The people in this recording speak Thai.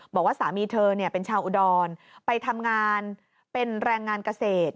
บอกว่าสามีเธอเป็นชาวอุดรไปทำงานเป็นแรงงานเกษตร